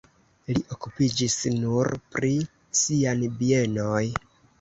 Li okupiĝis nur pri sian bienoj.